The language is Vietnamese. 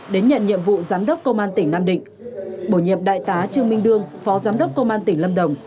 đến nhận nhiệm vụ giám đốc công an tỉnh nam định bổ nhiệm đại tá trương minh đương phó giám đốc công an tỉnh lâm đồng